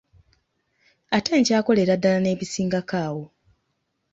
Ate nkyakolera ddala n'ebisingako awo.